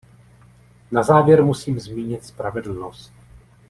Na závěr musím zmínit spravedlnost.